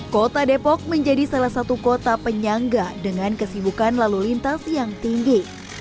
kota depok menjadi salah satu kota penyangga dengan kesibukan lalu lintas yang tinggi